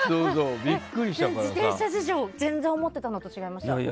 自転車事情全然思っていたのと違いました。